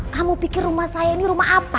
kamu pikir rumah saya ini rumah apa